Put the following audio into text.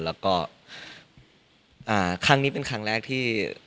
แล้วก็ครั้งนี้เป็นครั้งแรกที่